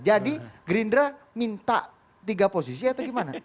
jadi gerindra minta tiga posisi atau gimana